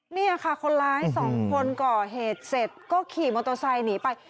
เนี่ยค่ะคนร้ายสองคนก่อเหตุเสร็จก็ขี่มอเตอร์ไซค์หนีไป